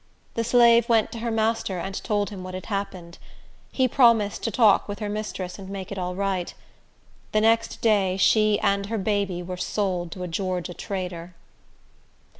The slave went to her master, and told him what had happened. He promised to talk with her mistress, and make it all right. The next day she and her baby were sold to a Georgia trader.